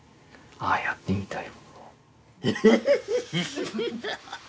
ああやってみたい。